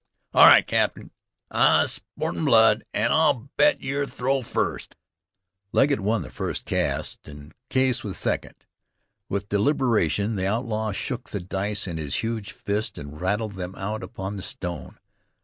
"All right, cap'n, I've sportin' blood, an' I'll bet. Yer throw first." Legget won the first cast, and Case the second. With deliberation the outlaw shook the dice in his huge fist, and rattled them out upon the stone.